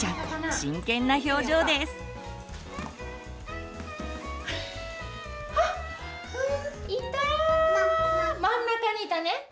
真ん中にいたね。